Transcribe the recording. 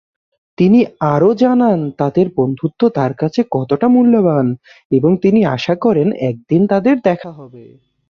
তিনি আরও জানান তাদের বন্ধুত্ব তার কাছে কতটা মূল্যবান এবং তিনি আশা করেন একদিন তাদের দেখা হবে।